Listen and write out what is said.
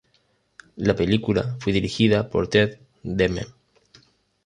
La película fue dirigida por Ted Demme.